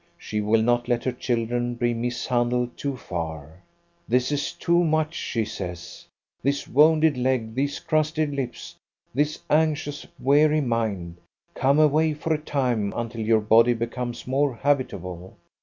she will not let her children be mishandled too far. "This is too much," she says; "this wounded leg, these crusted lips, this anxious, weary mind. Come away for a time, until your body becomes more habitable."